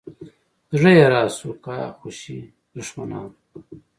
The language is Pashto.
زړه یې راسو کا خوشي دښمنان.